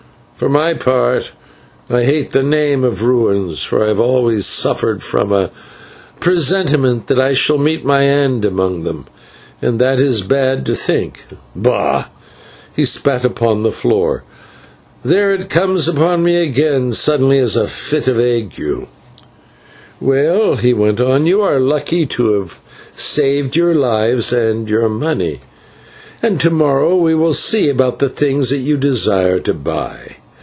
For my part I hate the name of ruins, for I have always suffered from a presentiment that I should meet my end among them, and that is bad to think of. Bah!" and he spat upon the floor "there, it comes upon me again, suddenly as a fit of the ague." "Well," he went on, "you are lucky to have saved your lives and your money, and to morrow we will see about the things that you desire to buy.